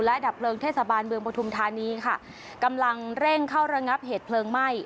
ดับเพลิงเทศบาลเมืองปฐุมธานีค่ะกำลังเร่งเข้าระงับเหตุเพลิงไหม้